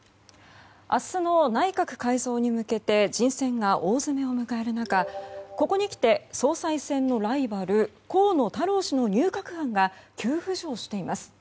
明日の内閣改造に向けて人選が大詰めを迎える中ここにきて、総裁選のライバル河野太郎氏の入閣案が急浮上しています。